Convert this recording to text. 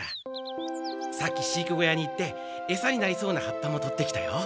さっき飼育小屋に行ってエサになりそうな葉っぱもとってきたよ。